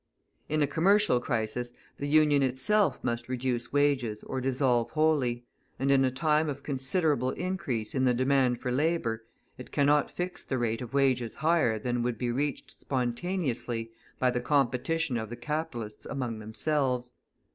In a commercial crisis the Union itself must reduce wages or dissolve wholly; and in a time of considerable increase in the demand for labour, it cannot fix the rate of wages higher than would be reached spontaneously by the competition of the capitalists among themselves.